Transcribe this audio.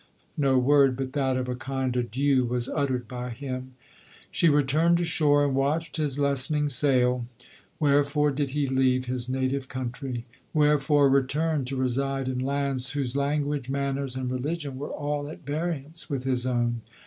No word but that of a kind adieu was uttered by him. She returned to shore, and watched his lessening sail. Wherefore did he leave his native coun try ? Wherefore return to reside in lands, whose language, manners, and religion, were all at variance with his own